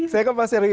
saya ke pak serwi